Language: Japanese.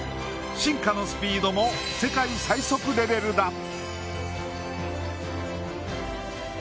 進化のスピードも世界最速レベルだ。